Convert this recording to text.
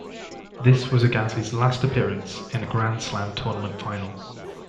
This was Agassi's last appearance in a Grand Slam tournament final.